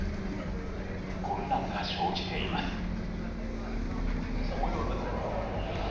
混乱が生じています。